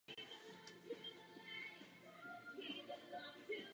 Kdo to takto rozhodl?